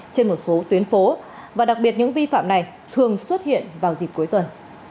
trên một số tuyến phố và đặc biệt những vi phạm này thường xuất hiện vào dịp cuối tuần